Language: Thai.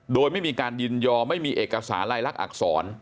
โดยไม่มีการยินยอมไม่มีเอกสารลายลักษณอักษร